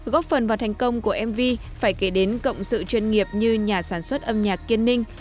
góp phần vào thành công của mv phải kể đến cộng sự chuyên nghiệp như nhà sản xuất âm nhạc kiên ninh